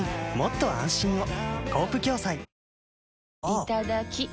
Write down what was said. いただきっ！